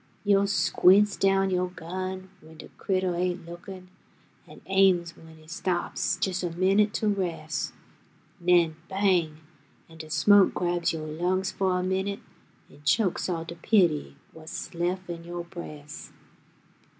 Yo' squints down yo' gun w'en de critter ain't lookin', An' aims w'en he stops jes' a minute to res', 'N'en bang, an' de smoke grabs yo' lungs fo' a minute An' chokes all de pity what's lef' in yo' bres'.